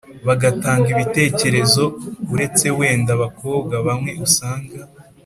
bagatanga ibitekerezo. Uretse wenda abakobwa bamwe usanga